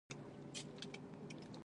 د سهار چای مو د کریمي صیب سره وڅښه.